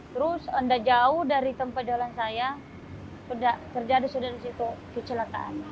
terus jauh dari tempat jualan saya sudah terjadi kecelakaan